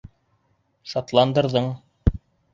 Шатландырҙың.